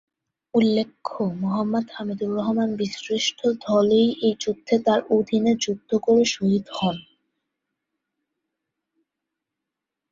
উল্লেখ্য মোহাম্মদ হামিদুর রহমান বীর শ্রেষ্ঠ ধলই এর যুদ্ধে তাঁর অধীনে যুদ্ধ করে শহীদ হন।